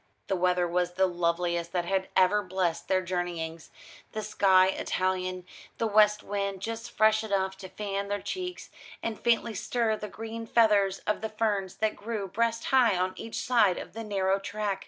The weather was the loveliest that had ever blessed their journeyings the sky Italian, the west wind just fresh enough to fan their cheeks, and faintly stir the green feathers of the ferns that grew breast high on each side of the narrow track.